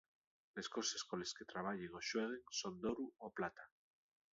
Les coses coles que trabayen o xueguen son d'oru o plata.